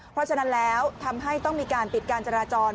เพราะฉะนั้นแล้วทำให้ต้องมีการปิดการจราจร